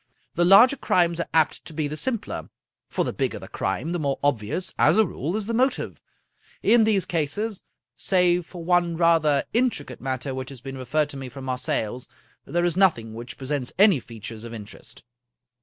The larger crimes are apt to be the simpler, for the bigger the crime, the more obvious, as a rule, is the motive. In these cases, save for one rather intricate matter which has been referred to me from Marseilles, there is nothing which pre sents any features of interest.